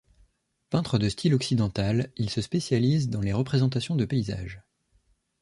Peintre de style occidental, il se spécialise dans les représentations de paysages.